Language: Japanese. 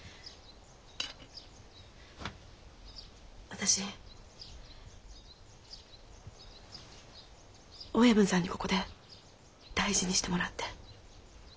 私親分さんにここで大事にしてもらって。